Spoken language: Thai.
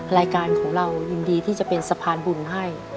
รายการของเรายินดีที่จะเป็นสะพานบุญให้